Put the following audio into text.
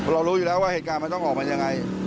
รู้อยู่แล้วว่าเหตุการณ์มันต้องออกมายังไง